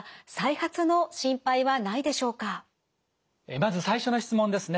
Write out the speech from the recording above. まず最初の質問ですね。